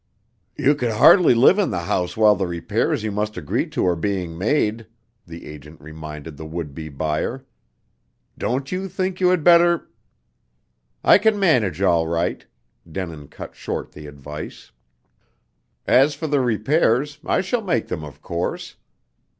"You could hardly live in the house while the repairs you must agree to are being made," the agent reminded the would be buyer. "Don't you think you had better " "I can manage all right," Denin cut short the advice. "As for the repairs, I shall make them of course.